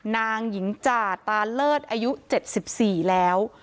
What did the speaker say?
นางหญิงจ่าตาเลิศอายุ๗๔แล้ว